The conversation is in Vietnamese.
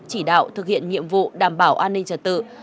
chỉ đạo thực hiện nhiệm vụ đảm bảo an ninh trật tự